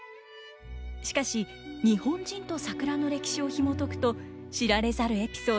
しかし日本人と桜の歴史をひもとくと知られざるエピソードが満載。